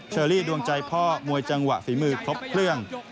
เชอรี่ดวงใจพ่อมวยจังหวะฝีมือครบเครื่อง